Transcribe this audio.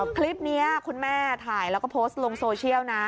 คลิปนี้คุณแม่ถ่ายแล้วก็โพสต์ลงโซเชียลนะ